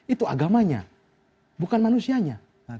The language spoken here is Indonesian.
itu agamanya bukan manusianya